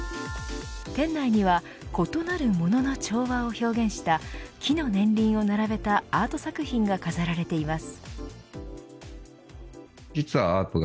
店内には異なるものの調和を表現した木の年輪を並べたアート作品が飾られています。